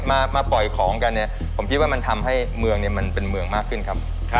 มาปล่อยของกันเนี่ยผมคิดว่ามันทำให้เมืองเนี่ยมันเป็นเมืองมากขึ้นครับ